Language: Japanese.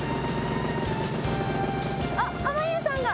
あっ濱家さんが。